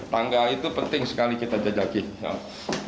tangga itu penting sekali kita jajaki